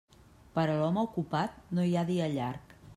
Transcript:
Per a l'home ocupat no hi ha dia llarg.